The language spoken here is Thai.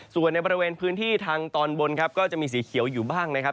ส่วนในบริเวณพื้นที่ทางตอนบนครับก็จะมีสีเขียวอยู่บ้างนะครับ